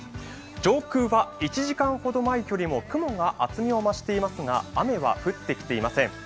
上空は１時間ほど前よりも雲の厚みが増していますが雨は降ってきていません。